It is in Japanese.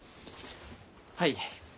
はい。